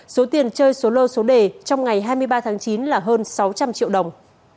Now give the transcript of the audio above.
số tiền chơi số lô số đề trong ngày hai mươi ba tháng chín là hơn sáu trăm linh triệu đồng